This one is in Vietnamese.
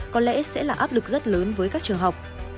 có lẽ sẽ là áp lực rất lớn với các trường học